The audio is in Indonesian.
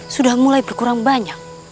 sudah mulai berkurang banyak